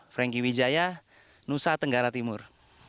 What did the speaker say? franky wijaya nusa tenggara timur